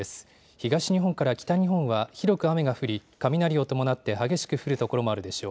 東日本から北日本は広く雨が降り、雷を伴って激しく降る所もあるでしょう。